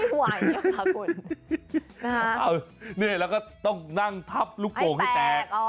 นั่นก็เป็นการไปเลือกใหมากแล้วก็ต้องนั่งพับลูกโกงให้แตก